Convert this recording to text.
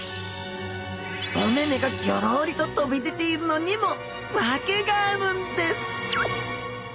お目目がぎょろりと飛び出ているのにも訳があるんです